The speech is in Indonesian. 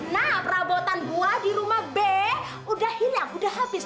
nah perabotan buah di rumah b udah hilang udah habis